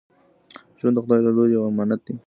ژوند د خدای له لوري یو امانت دی.